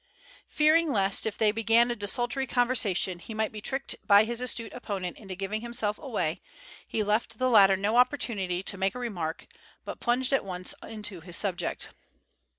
Fearing lest if they began a desultory conversation he might be tricked by his astute opponent into giving himself away, he left the latter no opportunity to make a remark, but plunged at once into his subject.